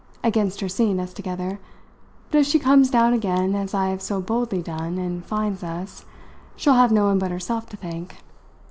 against her seeing us together; but if she comes down again, as I've so boldly done, and finds us, she'll have no one but herself to thank.